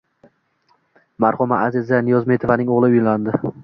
Marhuma Aziza Niyozmetovaning o‘g‘li uylandi